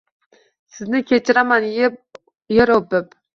Sizni kechiraman yer oʻpib